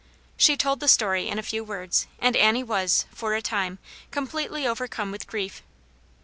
She told the story in a few words, and Annie was, for a time, completely overcome with grief.